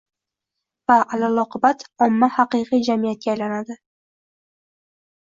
va alaloqibat omma haqiqiy jamiyatga aylanadi